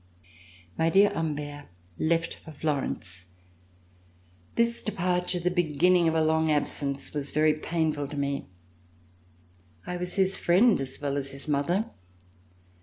My dear Humbert left for Florence. This departure, the beginning of a long absence, was very painful to me. I was his friend, as well as his mother.